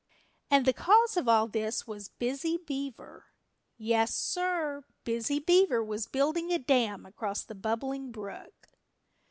And the cause of all this was Busy Beaver. Yes, sir. Busy Beaver was building a dam across the Bubbling Brook.